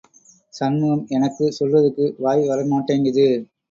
சண்முகம் எனக்கு சொல்றதுக்கு வாய் வரமாட்டேங்குது.